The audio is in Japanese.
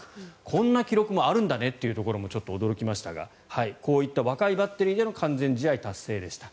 こんな記録もあるんだねというのがちょっと驚きましたがこういった若いバッテリーでの完全試合達成でした。